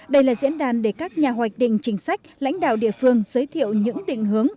đây là diễn đàn để các nhà hoạch định chính sách lãnh đạo địa phương giới thiệu những định hướng